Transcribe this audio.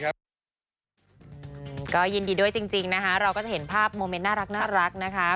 ก็ยินดีด้วยจริงนะคะเราก็จะเห็นภาพโมเมนต์น่ารักนะคะ